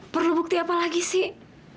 perlu bukti apa lagi sih